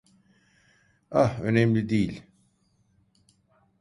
Ah, önemli değil.